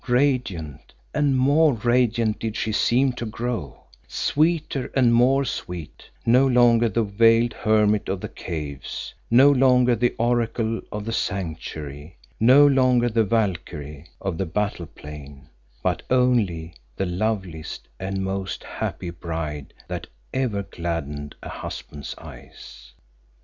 Radiant and more radiant did she seem to grow, sweeter and more sweet, no longer the veiled Hermit of the Caves, no longer the Oracle of the Sanctuary, no longer the Valkyrie of the battle plain, but only the loveliest and most happy bride that ever gladdened a husband's eyes.